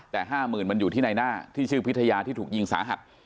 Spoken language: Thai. แต่๕๐๐๐มันอยู่ที่ในหน้าที่ชื่อพิทยาที่ถูกยิงสาหัส